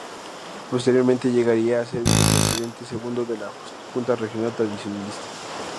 Posteriormente llegaría a ser vicepresidente segundo de la Junta Regional Tradicionalista.